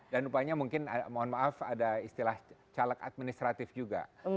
dan mungkin mohon maaf ada istilah caleg administratif juga